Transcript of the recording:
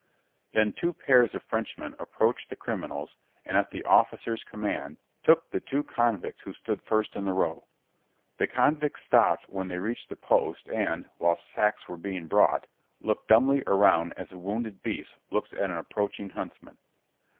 Then two pairs of Frenchmen approached the criminals and at the officer's command took the two convicts who stood first in the row. The convicts stopped when they reached the post and, while sacks were being brought, looked dumbly around as a wounded beast looks at an approaching huntsman.